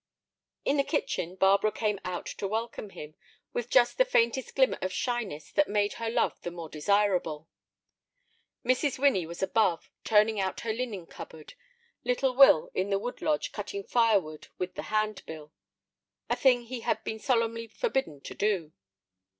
In the kitchen Barbara came out to welcome him, with just the faintest glimmer of shyness that made her love the more desirable. Mrs. Winnie was above, turning out her linen cupboard, little Will in the wood lodge cutting firewood with the hand bill—a thing he had been solemnly forbidden to do.